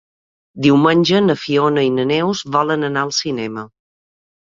Diumenge na Fiona i na Neus volen anar al cinema.